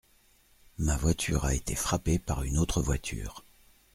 Ma voiture a été frappée par une autre voiture.